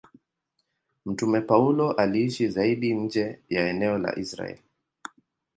Mtume Paulo aliishi zaidi nje ya eneo la Israeli.